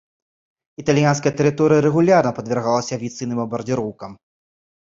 Італьянская тэрыторыя рэгулярна падвяргалася авіяцыйным бамбардзіроўкам.